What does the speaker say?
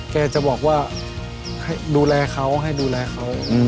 แกจะบอกว่าให้ดูแลเขาให้ดูแลเขา